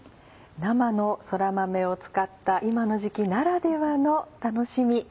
生のそら豆を使った今の時期ならではの楽しみ